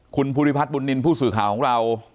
คุณภูริพัฒนบุญนินทร์ผู้สื่อข่าวของเรา